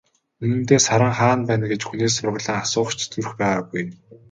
Үнэндээ, Саран хаана байна гэж хүнээс сураглан асуух ч зүрх байгаагүй.